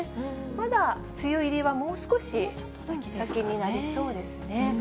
まだ梅雨入りは、もう少し先になりそうですね。